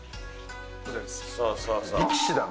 力士だな。